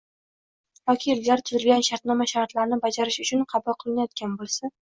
yoki ilgari tuzilgan shartnoma shartlarini bajarish uchun qabul qilinayotgan bo‘lsa;